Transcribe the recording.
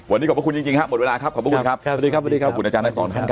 วันนี้ขอบพระคุณยิ่งหมดเวลาครับขอบพระคุณครับพระคุณอาจารย์ให้สอน